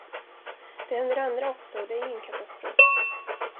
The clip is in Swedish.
Det händer andra också, och det är ingen katastrof.